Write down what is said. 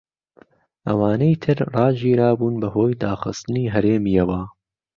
ئەوانەی تر ڕاگیرابوون بەهۆی داخستنی هەرێمیەوە.